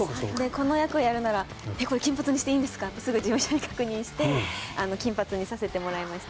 この役をやるならこれ金髪にしていいんですか？ってすぐに事務所に確認して金髪にさせてもらいました。